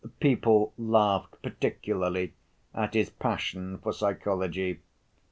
People laughed particularly at his passion for psychology.